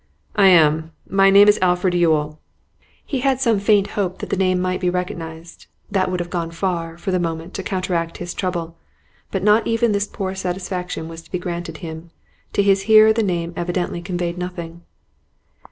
'I am. My name is Alfred Yule.' He had some faint hope that the name might be recognised; that would have gone far, for the moment, to counteract his trouble. But not even this poor satisfaction was to be granted him; to his hearer the name evidently conveyed nothing.